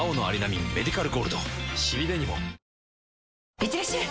いってらっしゃい！